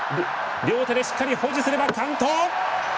両手でしっかり保持すれば完登！